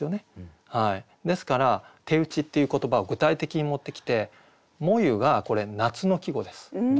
ですから「手打ち」っていう言葉を具体的に持ってきて「炎ゆ」がこれ夏の季語です。